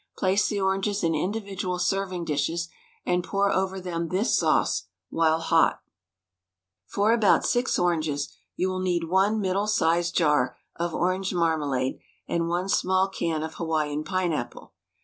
Place the oranges in individual serving dishes and pour over them this sauce, while hot: For about six oranges you will need one middle sized jar of orange marmalade and one small can of Hawaiian, pineapple.